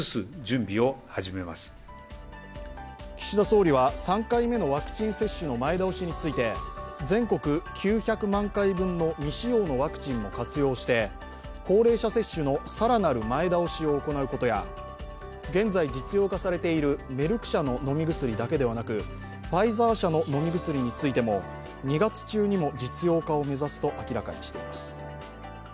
岸田総理は３回目のワクチン接種の前倒しについて全国９００万回分の未使用のワクチンも活用して高齢者接種の更なる前倒しを行うことや現在、実用化されているメルク社の飲み薬だけでなくファイザー社の飲み薬についても２月中にも実用化を目指すと明らかにしています。